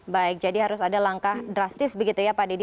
baik jadi harus ada langkah drastis begitu ya pak dedy